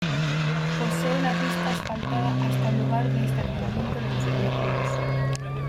Posee una pista asfaltada hasta el lugar de estacionamiento de los vehículos.